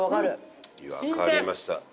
わかりました。